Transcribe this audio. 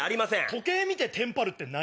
時計見てテンパるって何？